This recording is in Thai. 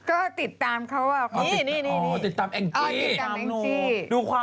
โอติดตามเองจิดูในความเหงวย้อยไหมคะ